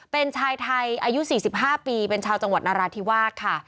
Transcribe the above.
เป็นชายไทยอายุ๔๕ปีเป็นชาวจังหวัดนราธิวาสค่ะ